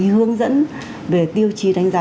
hướng dẫn về tiêu chí đánh giá